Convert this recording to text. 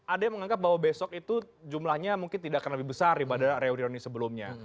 ada yang menganggap bahwa besok itu jumlahnya mungkin tidak akan lebih besar daripada reuni reuni sebelumnya